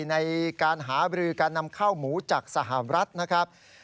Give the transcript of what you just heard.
ในการหาบรือการนำข้าวหมูจากสหรัฐนะครับ